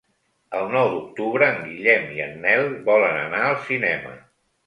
El nou d'octubre en Guillem i en Nel volen anar al cinema.